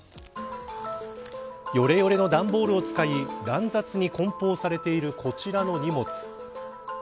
よれよれの段ボールを使い乱雑に梱包されているこちらの荷物。